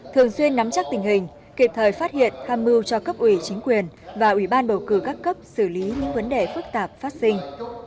thường xuyên nắm chắc tình hình kịp thời phát hiện tham mưu cho cấp ủy chính quyền và ủy ban bầu cử các cấp xử lý những vấn đề phức tạp phát sinh